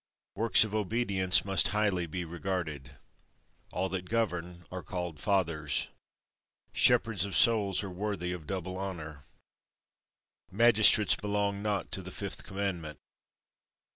Works of obedience must highly be regarded. All that govern are called Fathers. Shepherds of Souls are worthy of double honour. Magistrates belong not to the fifth Commandment.